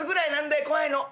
い怖いの」。